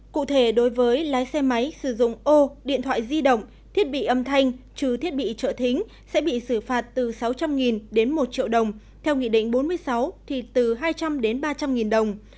cụ thể đối với lái xe máy sử dụng ô điện thoại di động thiết bị âm thanh trừ thiết bị trợ thính sẽ bị xử phạt từ sáu trăm linh đến một triệu đồng theo nghị định bốn mươi sáu thì từ hai trăm linh đến ba trăm linh đồng